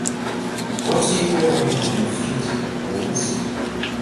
What are you wearing on your feet, Woods?